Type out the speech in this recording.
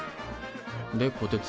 でこてつ。